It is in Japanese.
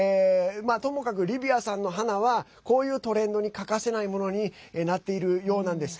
ともかく、リヴィアさんの花はこういうトレンドに欠かせないものになっているようなんです。